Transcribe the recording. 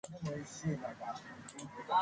He was wounded during the assault on Chapultepec.